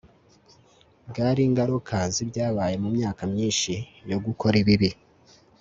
bwari ingaruka zibyabaye mu myaka myinshi yo gukora ibibi